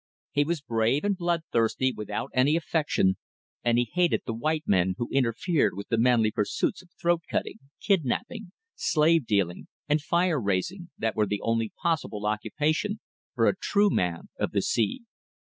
He was brave and bloodthirsty without any affection, and he hated the white men who interfered with the manly pursuits of throat cutting, kidnapping, slave dealing, and fire raising, that were the only possible occupation for a true man of the sea.